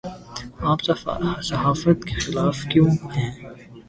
آپ صحافت کے خلاف کیوں ہیں